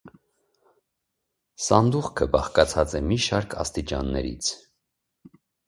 Սանդուղքը բաղկացած է մի շարք աստիճաններից։